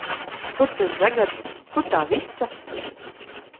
Kur tas žagars, kur tā vica?